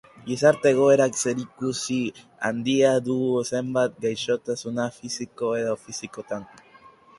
Gizarte-egoerak zerikusi handia du zenbait gaixotasun psikiko edo fisikotan.